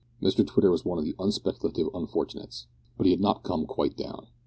Mr Twitter was one of the unspeculative unfortunates, but he had not come quite down.